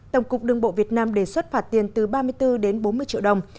tổng cục đường bộ việt nam đề xuất phạt tiền từ ba mươi bốn đến bốn mươi triệu đồng